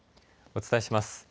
お伝えします。